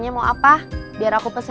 jadi mau direnovasi